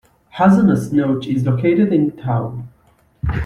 Hazens Notch is located in town.